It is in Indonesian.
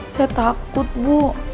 saya takut bu